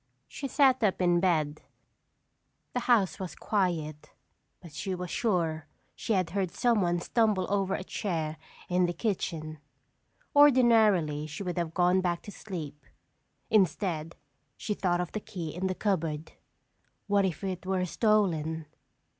She sat up in bed. The house was quiet but she was sure she had heard someone stumble over a chair in the kitchen. Ordinarily, she would have gone back to sleep. Instead, she thought of the key in the cupboard. What if it were stolen?